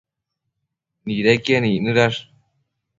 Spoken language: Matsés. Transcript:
nidequien icnëdash